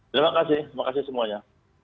terima kasih terima kasih semuanya